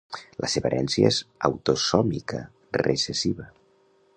La seva herència és autosòmica recessiva.